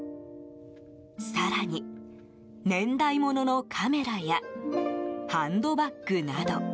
更に、年代物のカメラやハンドバッグなど。